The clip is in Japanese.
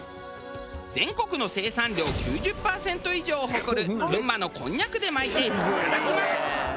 全国の生産量９０パーセント以上を誇る群馬のこんにゃくで巻いていただきます。